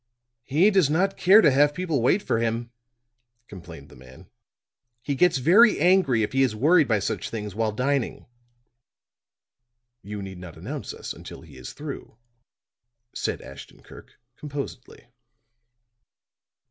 "He does not care to have people wait for him," complained the man. "He gets very angry if he is worried by such things while dining." "You need not announce us until he is through," said Ashton Kirk, composedly.